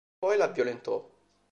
Poi l'ha violentò.